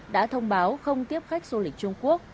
đã thông báo không tiếp khách du lịch trung quốc